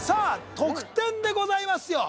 得点でございますよ